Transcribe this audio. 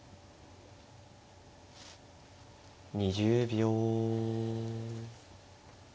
２０秒。